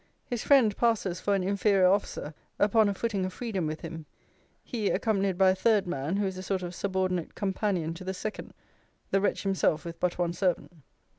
His friend passes for an inferior officer; upon a footing of freedom with him. He, accompanied by a third man, who is a sort of subordinate companion to the second. The wretch himself with but one servant.